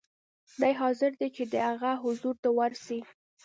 دی حاضر دی چې د هغه حضور ته ورسي.